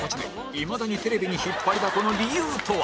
いまだにテレビに引っ張りだこの理由とは？